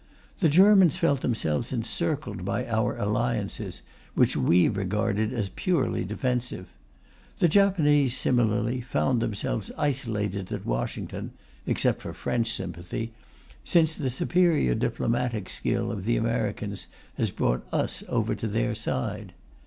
The Germans felt themselves encircled by our alliances, which we regarded as purely defensive; the Japanese, similarly, found themselves isolated at Washington (except for French sympathy) since the superior diplomatic skill of the Americans has brought us over to their side.